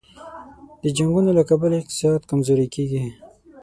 د جنګونو له کبله اقتصاد کمزوری کېږي.